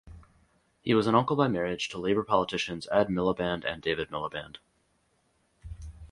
He was an uncle by marriage to Labour politicians Ed Miliband and David Miliband.